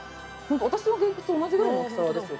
私のげんこつと同じくらいの大きさですよ。